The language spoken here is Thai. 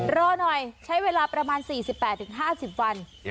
รอหน่อยใช้เวลาประมาณ๔๘๕๐วัน